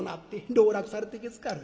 籠絡されてけつかる。